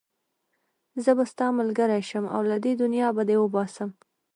زه به ستا ملګری شم او له دې دنيا به دې وباسم.